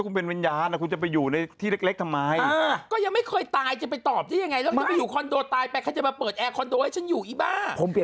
เขาจะอยู่ทำไมในสรรพภูมิ